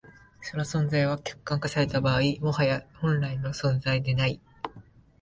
その存在は、客観化された場合、もはや本来の存在でない。